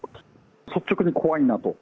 率直に怖いなと。